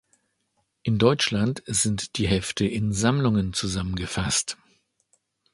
In Deutschland sind die Hefte in Sammlungen zusammengefasst.